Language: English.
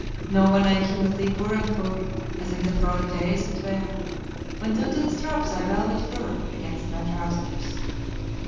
No more I hear thee purr and purr As in the frolic days that were, When thou didst rub thy velvet fur Against my trousers.